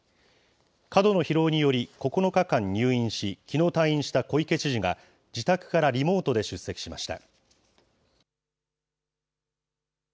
過度の疲労により、９日間入院し、きのう退院した小池知事が、自宅からリモートで出席しました。